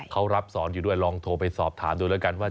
เขารับสอนอยู่ด้วยลองโทรไปสอบถามดูแล้วกันว่า